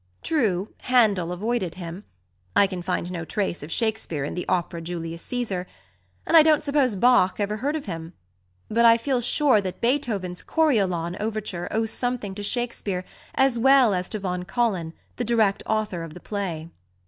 True, Handel avoided him (I can find no trace of Shakespeare in the opera Julius Cæsar), and I don't suppose Bach ever heard of him; but I feel sure that Beethoven's "Coriolan" Overture owes something to Shakespeare as well as to von Collin, the direct author of the play.